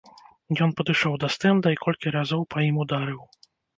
Ён падышоў да стэнда і колькі разоў па ім ударыў.